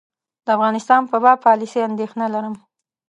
د افغانستان په باب پالیسي اندېښنه لرم.